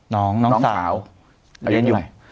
น้องสาวอายุไหน